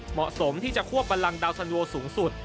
เหมาะสมที่จะควบันลังดาวสันโวสูงสุด